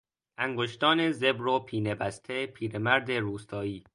انگشتان زبر و پینه بسته پیرمرد روستایی